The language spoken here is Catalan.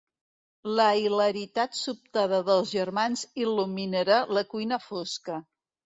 La hilaritat sobtada dels germans il·luminarà la cuina fosca.